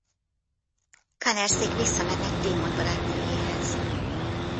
Conners-ék visszamennek Damon barátnőjéhez.